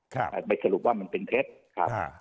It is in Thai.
ครับไปสรุปว่ามันเป็นเพชรครับ